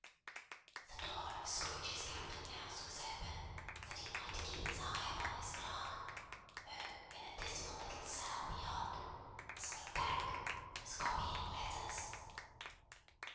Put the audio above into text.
The door of Scrooge's counting house was open that he might keep his eye upon his clerk, who in a dismal little cell beyond, a sort of tank, was copying letters.